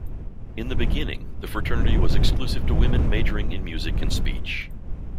In the beginning, the fraternity was exclusive to women majoring in music and speech.